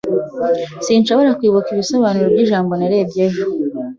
Sinshobora kwibuka ibisobanuro by'ijambo narebye ejo.